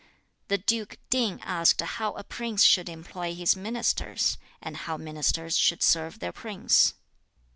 The Duke Ting asked how a prince should employ his ministers, and how ministers should serve their prince.